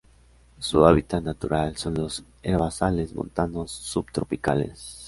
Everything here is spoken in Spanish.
Su hábitat natural son los herbazales montanos subtropicales.